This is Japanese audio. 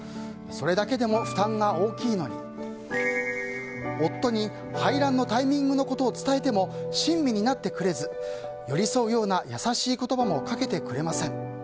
それだけでも負担が大きいのに夫に排卵のタイミングのことを伝えても、親身になってくれず寄り添うような優しい言葉もかけてくれません。